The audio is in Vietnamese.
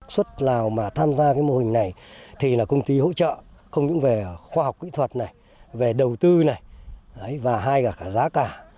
xuất lào mà tham gia cái mô hình này thì là công ty hỗ trợ không những về khoa học kỹ thuật này về đầu tư này và hay cả giá cả